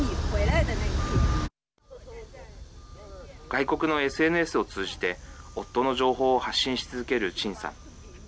外国のＳＮＳを通じて夫の情報を発信し続ける陳さん。